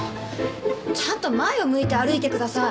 ちゃんと前を向いて歩いてください。